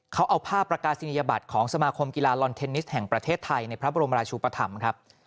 เขาเอาภาพประกาศนียบัตรของสมาคมกีฬาลอนเทนนิสแห่งประเทศไทยในพระบรมราชุปธรรมครับ